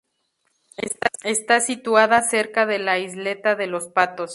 Está situada cerca de la Isleta de los Patos.